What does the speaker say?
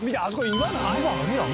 岩あるやん。